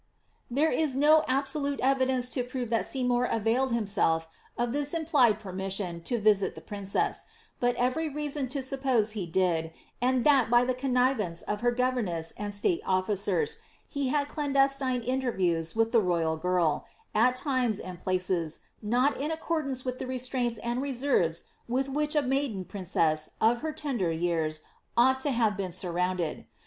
There is no absolute evidence to prove that Seymour availed himself of this implied permission to visit the princess, but every reason to suppose he did, and that by the connivance of her governess and suite officers he had clandestine interviews with the royal girl, at times and places, not in accordance with the restraints and reserves with which a maiden princess, of her tender years, ought to have been surrounded.